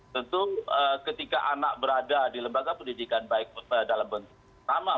tentu ketika anak berada di lembaga pendidikan baik dalam bentuk sama